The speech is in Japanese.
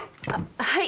はい。